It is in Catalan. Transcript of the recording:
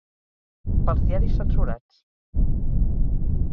Pels diaris censurats